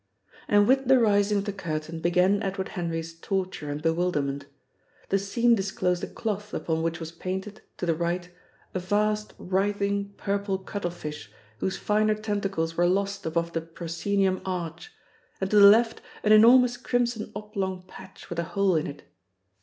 And with the rising of the curtain began Edward Henry's torture and bewilderment. The scene disclosed a cloth upon which was painted, to the right, a vast writhing purple cuttlefish whose finer tentacles were lost above the proscenium arch, and to the left an enormous crimson oblong patch with a hole in it.